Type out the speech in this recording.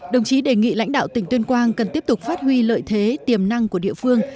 đồng chí đề nghị lãnh đạo tỉnh tuyên quang cần tiếp tục phát huy lợi thế tiềm năng của địa phương